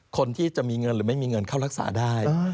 คนที่จะมีเงินหรือไม่มีเงินเข้ารักษาได้